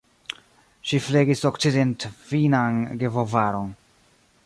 Ŝi flegis okcidentfinnan gebovaron.